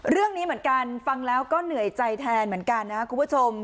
เรื่องนี้เหมือนกันฟังแล้วก็เหนื่อยใจแทนเหมือนกันนะครับคุณผู้ชม